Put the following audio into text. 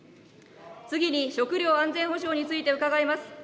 次に、食料安全保障について伺います。